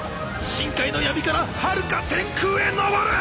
深海の闇からはるか天空へ昇る！